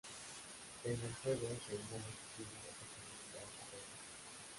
En el juego Seymour tiene una personalidad arrogante.